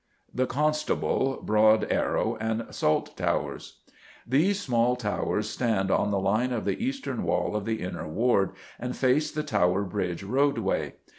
The Constable, Broad Arrow, and Salt Towers. These small towers stand on the line of the eastern wall of the Inner Ward and face the Tower Bridge roadway.